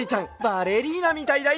バレリーナみたいだＹＯ！